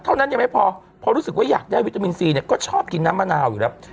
เท่านั้นยังไม่พอพอรู้สึกว่าอยากได้วิตามินซีเนี่ยก็ชอบกินน้ำมะนาวอยู่แล้ว